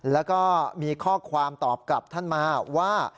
แล้วก็มีข้อความตอบกลับท่านมาว่า